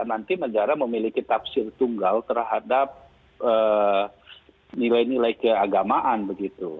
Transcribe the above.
nanti negara memiliki tafsir tunggal terhadap nilai nilai keagamaan begitu